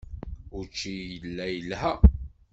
Učči yella yelha.